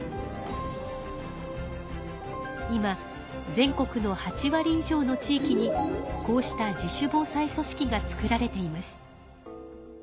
今全国の８わり以上の地域にこうした自主防災組織が作られています。